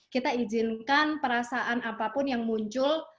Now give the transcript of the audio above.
kita izinkan perasaan apapun yang muncul